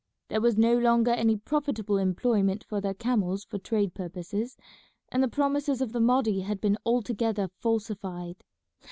There was no longer any profitable employment for their camels for trade purposes, and the promises of the Mahdi had been altogether falsified.